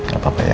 gak apa apa ya